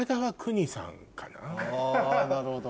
あなるほど。